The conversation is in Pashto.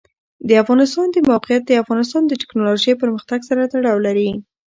د افغانستان د موقعیت د افغانستان د تکنالوژۍ پرمختګ سره تړاو لري.